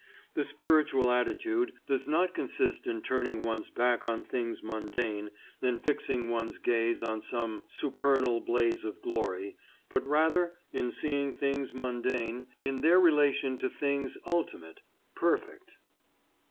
The spiritual attitude does not consist in turning one's back on things mundane and fixing one's gaze on some supernal blaze of glory, but rather in seeing things mundane in their relation to things ultimate, perfect.